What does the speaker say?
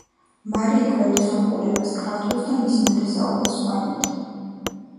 მარი იკვლევდა სომხურ ენას, ქართულს და მის ნათესაობას სხვა ენებთან.